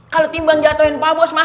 kalau timbang jatohin pabos mah